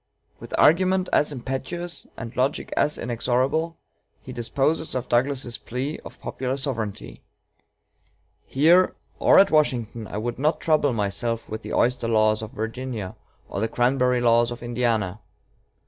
With argument as impetuous, and logic as inexorable, he disposes of Douglas's plea of popular sovereignty: "Here, or at Washington, I would not trouble myself with the oyster laws of Virginia, or the cranberry laws of Indiana.